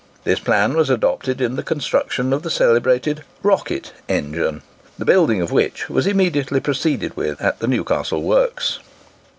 This plan was adopted in the construction of the celebrated "Rocket" engine, the building of which was immediately proceeded with at the Newcastle works.